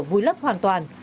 vui lấp hoàn toàn